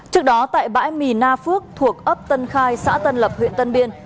trước đó tại bãi mì na phước thuộc ấp tân khai xã tân lập huyện tân biên